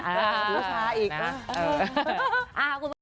รู้ช้าอีก